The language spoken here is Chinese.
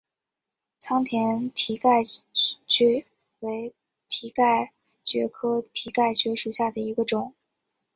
仓田蹄盖蕨为蹄盖蕨科蹄盖蕨属下的一个种。